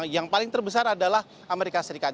yang paling terbesar adalah amerika serikat